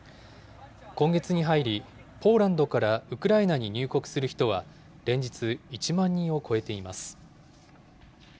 今月に入り、ポーランドからウクライナに入国する人は、連日１万人を超えています。